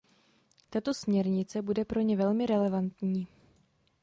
Tato směrnice bude pro ně velmi relevantní.